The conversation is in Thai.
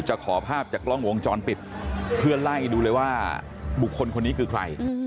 ขอภาพจากกล้องวงจรปิดเพื่อไล่ดูเลยว่าบุคคลคนนี้คือใคร